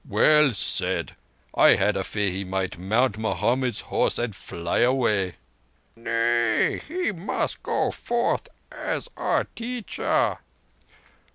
"Well said. I had a fear he might mount Mohammed's Horse and fly away." "Nay—he must go forth as a teacher."